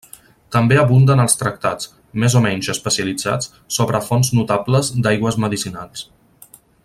També abunden els tractats, més o menys especialitzats, sobre fonts notables d'aigües medicinals.